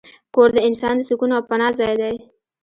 کور د انسان د سکون او پناه ځای دی.